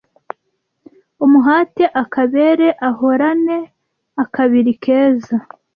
Umuhate akabere Ahorane akabiri keza